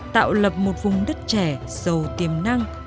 tạo lập một vùng đất trẻ sầu tiềm năng